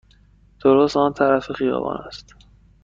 درست آن طرف خیابان است.